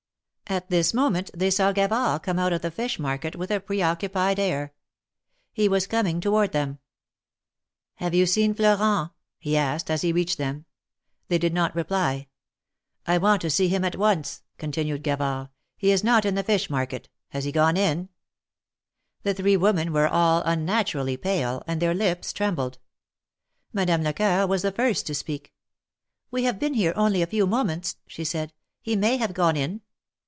At this moment they saw Gavard come out of the fish market, with a preoccupied air. He was coming toward them. Have you seen Florent ?" he asked, as he reached them. They did not reply. 1 want to see him at once," continued Gavard. He is not in the fish market. Has he gone in ?" The three women were all unnaturally pale, and their lips trembled. Madame Lecoeur was the first to speak ; We have been here only a few moments," she said. "He may have gone in."